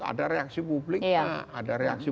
ada reaksi publiknya ada reaksi